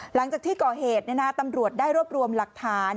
หลังจากที่ก่อเหตุตำรวจได้รวบรวมหลักฐาน